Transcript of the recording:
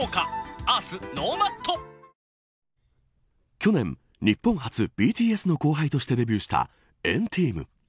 去年、日本初ＢＴＳの後輩としてデビューした＆ＴＥＡＭ。